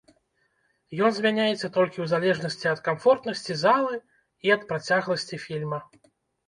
Ён змяняецца толькі ў залежнасці ад камфортнасці залы і ад працягласці фільма.